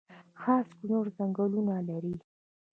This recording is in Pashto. خاص کونړ ځنګلونه لري؟